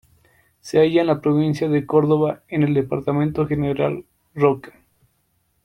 Se halla en la provincia de Córdoba en el Departamento General Roca.